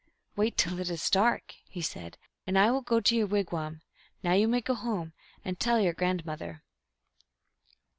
" Wait till it is dark," he said, "and I will go to your wig wam. Now you may go home and tell your grand mother."